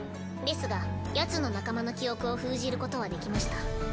ですがヤツの仲間の記憶を封じることはできました。